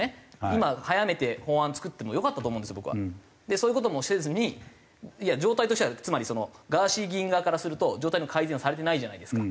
そういう事もせずに状態としてはつまりそのガーシー議員側からすると状態の改善はされてないじゃないですか。